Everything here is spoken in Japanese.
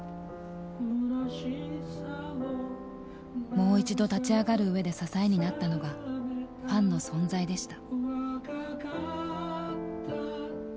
もう一度立ち上がるうえで支えになったのがファンの存在でした。